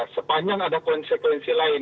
sepanjang ada konsekuensi lain